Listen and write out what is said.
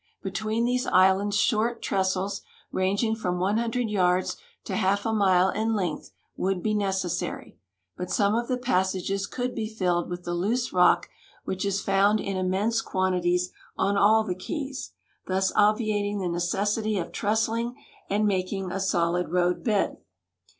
Between these islands short trestles, ranging from one hundred yards to half a mile in length, would be necessary ; but some of the passages could be filled with the loose rock which is found in immense quantities on all the keys, thus obviating the necessity of trestling and making a solid roadbed.